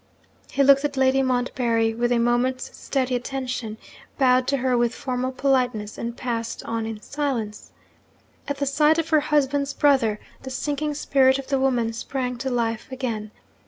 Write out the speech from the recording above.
He looked at Lady Montbarry with a moment's steady attention bowed to her with formal politeness and passed on in silence. At the sight of her husband's brother, the sinking spirit of the woman sprang to life again.